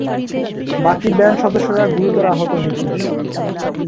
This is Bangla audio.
বাকি ব্যান্ড সদস্যরা গুরুতর আহত হয়েছিল।